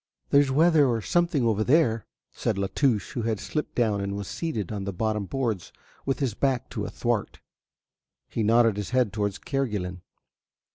"There's weather or something over there," said La Touche who had slipped down and was seated on the bottom boards with his back to a thwart; he nodded his head towards Kerguelen.